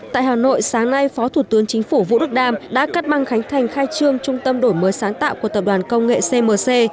tại hà nội sáng nay phó thủ tướng chính phủ vũ đức đam đã cắt băng khánh thành khai trương trung tâm đổi mới sáng tạo của tập đoàn công nghệ cmc